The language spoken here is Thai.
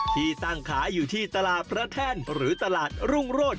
ที่ตั้งขายอยู่ที่ตลาดพระแท่นหรือตลาดรุ่งโรศ